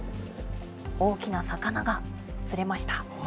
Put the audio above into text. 大きな魚が釣れました。